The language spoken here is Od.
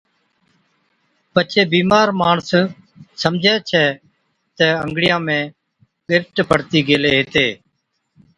پڇي بِيمار ماڻس سمجھَي ڇَي تہ انگڙِيان ۾ ڳِرٽ پڙتِي گيلي هِتي۔